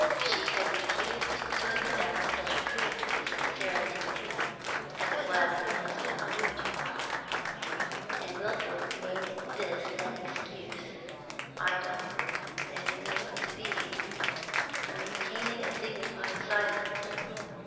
She had refused to accept such proof of his sincerity as it wag in his power to offer, and Wilfrid made this an excuse idle as he knew it to be for maintaining a dignified silence.